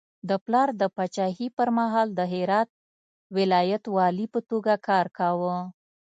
د پلار د پاچاهي پر مهال د هرات ولایت والي په توګه کار کاوه.